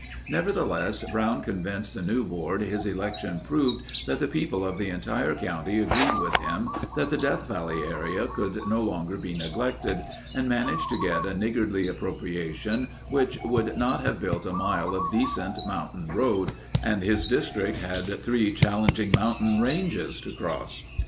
Nevertheless, Brown convinced the new board his election proved that the people of the entire county agreed with him that the Death Valley area could no longer be neglected and managed to get a niggardly appropriation which would not have built a mile of decent mountain road, and his district had three challenging mountain ranges to cross.